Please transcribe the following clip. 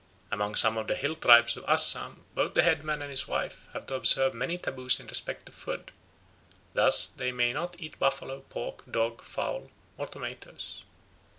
Among some of the hill tribes of Assam both the headman and his wife have to observe many taboos in respect of food; thus they may not eat buffalo, pork, dog, fowl, or tomatoes.